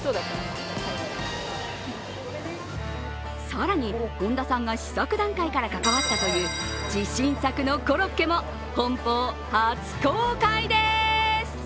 更に本田さんが試作段階から関わったという自信作のコロッケも本邦初公開です。